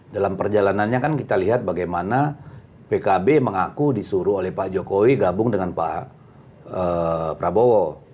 dalam perjalanannya kan kita lihat bagaimana pkb mengaku disuruh oleh pak jokowi gabung dengan pak prabowo